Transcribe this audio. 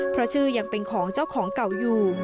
เพราะชื่อยังเป็นของเจ้าของเก่าอยู่